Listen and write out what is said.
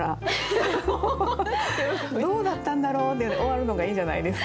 どうだったんだろう？で終わるのがいいんじゃないですか？